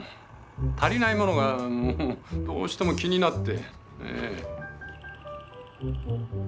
足りないものがどうしても気になって。